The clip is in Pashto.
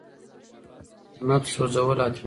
نفس وسوځول حتمي نه دي.